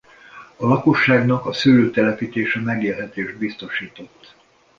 A lakosságnak a szőlő telepítése megélhetést biztosított.